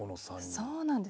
そうなんです。